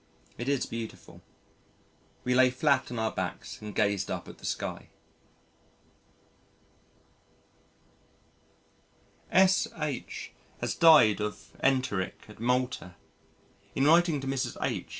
It is beautiful. We lay flat on our backs and gazed up at the sky. S.H. has died of enteric at Malta. In writing to Mrs. H.